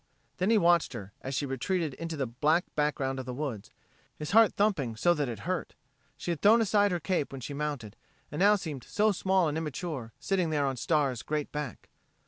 Then he watched her, as she retreated into the black background of the woods, his heart thumping so that it hurt. She had thrown aside her cape when she mounted, and now she seemed so small and immature, sitting there on Star's great back.